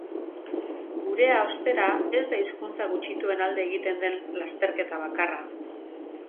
Gurea, ostera, ez da hizkuntza gutxituen alde egiten den lasterketa bakarra.